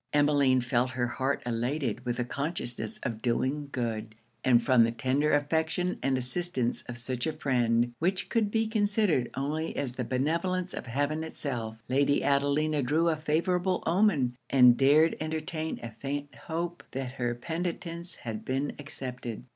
Emmeline felt her heart elated with the consciousness of doing good; and from the tender affection and assistance of such a friend, which could be considered only as the benevolence of heaven itself, Lady Adelina drew a favourable omen, and dared entertain a faint hope that her penitence had been accepted.